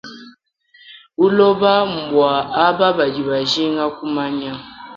Buloba mbua aba badi bajinga kumanya.